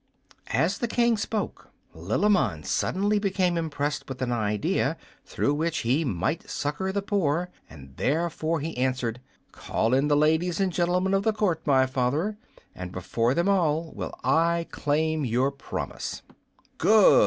As the King spoke, Lilimond suddenly became impressed with an idea through which he might succor the poor, and therefore he answered, "Call in the ladies and gentlemen of the court, my father, and before them all will I claim your promise." "Good!"